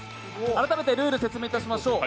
改めてルールを説明しましょう。